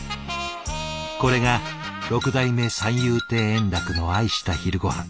これが六代目三遊亭円楽の愛した昼ごはん。